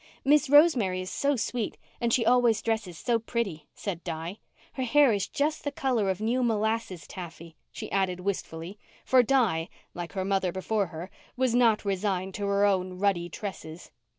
"Miss Rosemary is so sweet and she always dresses so pretty," said Di. "Her hair is just the colour of new molasses taffy," she added wistfully—for Di, like her mother before her, was not resigned to her own ruddy tresses.